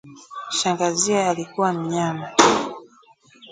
shangaziye alikuwa mnyama